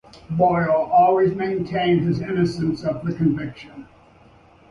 Boyle always maintained his innocence of the conviction.